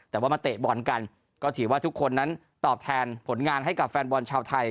แต่ว่ามาเตะบอลกันก็ถือว่าทุกคนนั้นตอบแทนผลงานให้กับแฟนบอลชาวไทย